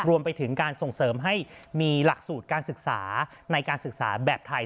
รวมไปถึงการส่งเสริมให้มีหลักสูตรการศึกษาในการศึกษาแบบไทย